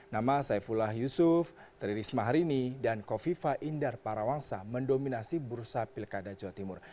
nama saifullah yusuf tri risma harini dan kofifa indar parawangsa mendominasi bursa pilkada jawa timur